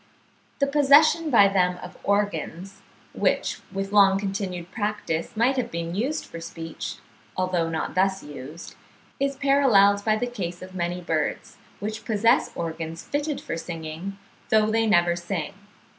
The possession by them of organs, which with long continued practice might have been used for speech, although not thus used, is paralleled by the case of many birds which possess organs fitted for singing, though they never sing.